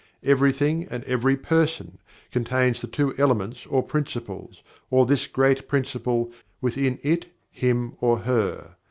Everything, and every person, contains the two Elements or Principles, or this great Principle, within it, him or her.